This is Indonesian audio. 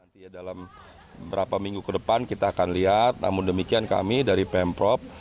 nanti ya dalam beberapa minggu ke depan kita akan lihat namun demikian kami dari pemprov